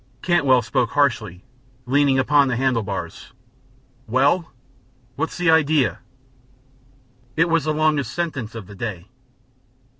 Cantwell spoke harshly, leaning upon the handle bars: "Well! What's the idea?" It was the longest sentence of the day.